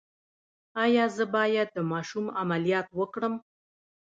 ایا زه باید د ماشوم عملیات وکړم؟